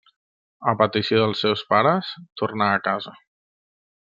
A petició dels seus pares, tornà a casa.